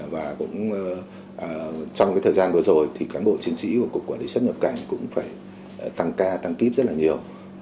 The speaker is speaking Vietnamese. và cũng trong thời gian vừa rồi thì cán bộ chiến sĩ của cục quản lý xuất nhập cảnh cũng phải tăng ca tăng kíp rất là nhiều